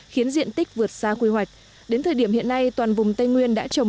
khiến diện tích vượt xa quy hoạch đến thời điểm hiện nay toàn vùng tây nguyên đã trồng